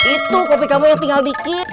itu kopi kamu yang tinggal dikit